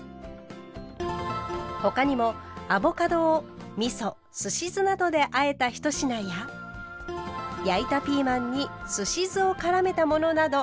他にもアボカドをみそすし酢などであえた一品や焼いたピーマンにすし酢をからめたものなど。